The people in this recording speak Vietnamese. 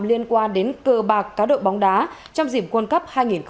liên quan đến cờ bạc cá đội bóng đá trong diễm quân cấp hai nghìn hai mươi hai